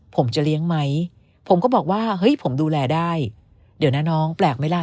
ผมจะเลี้ยงไหมผมก็บอกว่าเฮ้ยผมดูแลได้เดี๋ยวนะน้องแปลกไหมล่ะ